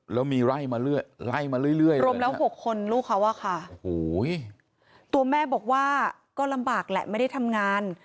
แล้วมีไล่มาเรื่อยไล่มาเรื่อยรวมแล้ว๖คนลูกเขาอะค่ะโอ้โหตัวแม่บอกว่าก็ลำบากแหละไม่ได้ทำงาน